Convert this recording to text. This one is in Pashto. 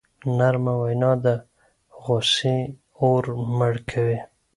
نرمه وینا د غصې اور مړ کوي.